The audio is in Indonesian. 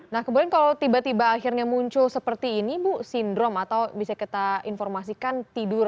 nah kemudian kalau tiba tiba akhirnya muncul seperti ini bu sindrom atau bisa kita informasikan tidur